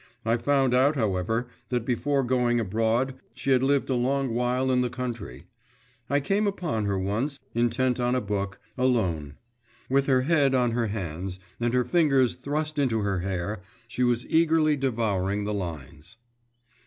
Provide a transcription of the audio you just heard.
I found out, however, that before going abroad she had lived a long while in the country. I came upon her once, intent on a book, alone. With her head on her hands and her fingers thrust into her hair, she was eagerly devouring the lines.